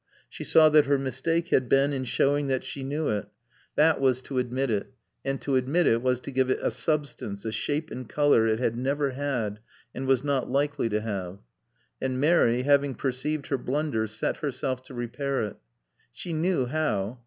She saw that her mistake had been in showing that she knew it. That was to admit it, and to admit it was to give it a substance, a shape and color it had never had and was not likely to have. And Mary, having perceived her blunder, set herself to repair it. She knew how.